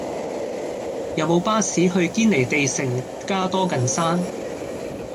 有無巴士去堅尼地城加多近山